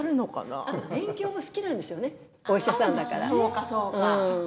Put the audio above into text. あと勉強が好きなんですよね、お医者さんだから。